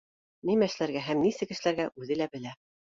Нимә эшләргә һәм нисек эшләргә үҙе лә белә